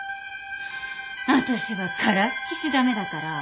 私はからっきし駄目だから。